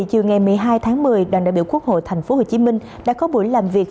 chiều ngày một mươi hai tháng một mươi đoàn đại biểu quốc hội tp hcm đã có buổi làm việc